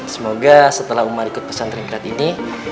semoga setelah umar ikut pesantren kerat ini